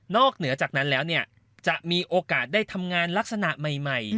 เหนือจากนั้นแล้วจะมีโอกาสได้ทำงานลักษณะใหม่